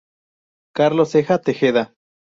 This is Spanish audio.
Carlos Ceja Tejeda.